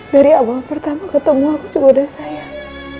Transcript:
dari awal pertama ketemu aku cuma udah sayang